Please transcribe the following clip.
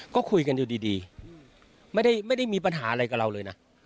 ก็คุยกันอยู่ดีไม่ได้มีปัญหาอะไรกับเราเลยนะ